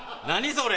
それ。